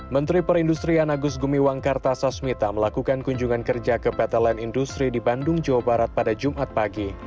menteri perindustrian agus gumiwang kartasasmita melakukan kunjungan kerja ke pt line industri di bandung jawa barat pada jumat pagi